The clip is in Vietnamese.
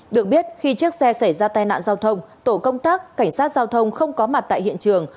được biết khi chiếc xe xảy ra tai nạn giao thông tổ công tác cảnh sát giao thông không có mặt tại hiện trường